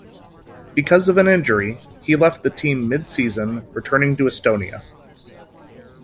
Because of an injury, he left the team mid-season, returning to Estonia.